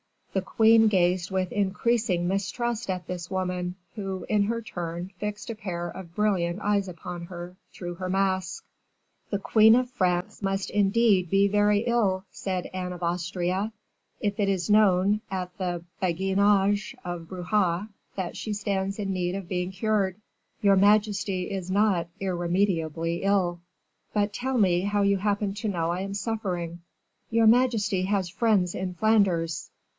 The queen gazed with increasing mistrust at this woman, who, in her turn, fixed a pair of brilliant eyes upon her, through her mask. "The queen of France must, indeed, be very ill," said Anne of Austria, "if it is known at the Beguinage of Bruges that she stands in need of being cured." "Your majesty is not irremediably ill." "But tell me how you happen to know I am suffering?" "Your majesty has friends in Flanders."